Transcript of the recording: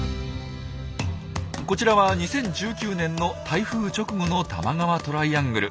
こちらは２０１９年の台風直後の多摩川トライアングル。